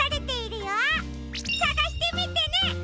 さがしてみてね！